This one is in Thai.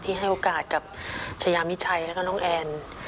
ให้โอกาสกับชายามิชัยแล้วก็น้องแอน